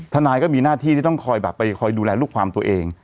ทนายก็มีหน้าที่ที่ต้องคอยแบบไปคอยดูแลลูกความตัวเอง